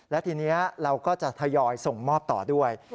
และทีนี้เราก็จะทยอยส่งมอบต่อด้วย